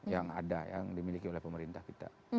yang ada yang dimiliki oleh pemerintah kita